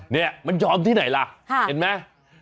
นี่มันยอมที่ไหนล่ะเห็นไหม